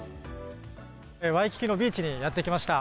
ワイキキのビーチにやってきました。